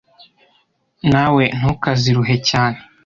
na we ntukaziruhe cyane